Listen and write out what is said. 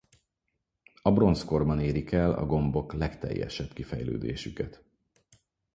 A bronzkorban érik el a gombok legteljesebb kifejlődésüket.